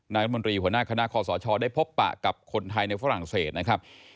รัฐมนตรีหัวหน้าคณะคอสชได้พบปะกับคนไทยในฝรั่งเศสนะครับ